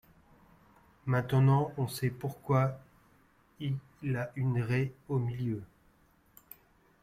Maintenant on sait pourquoi il a une raie au milieu.